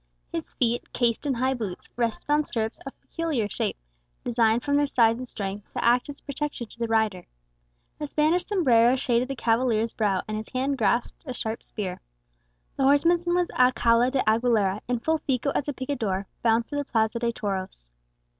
His feet, cased in high boots, rested on stirrups of peculiar shape, designed from their size and strength to act as a protection to the rider. A Spanish sombrero shaded the cavalier's brow, and his hand grasped a sharp spear. The horseman was Alcala de Aguilera, in full fico as a picador, bound for the Plaza de Toros.